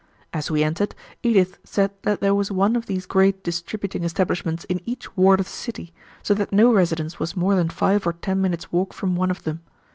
As we entered, Edith said that there was one of these great distributing establishments in each ward of the city, so that no residence was more than five or ten minutes' walk from one of them.